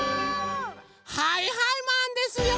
はいはいマンですよ！